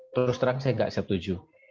terus terang saya tidak setuju